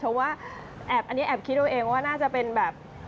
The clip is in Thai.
ชมว่าอันนี้แอบคิดด้วยเองว่าน่าจะเป็นแบบ